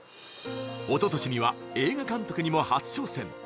おととしには映画監督にも初挑戦。